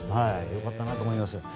良かったなと思います。